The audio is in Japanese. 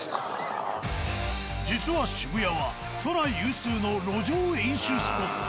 実は渋谷は都内有数の路上飲酒スポット。